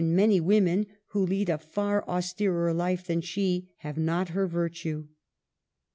many women (who lead a far austerer life than she) have not her virtue.